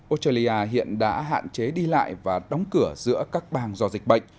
australia hiện đã hạn chế đi lại và đóng cửa giữa các bang do dịch bệnh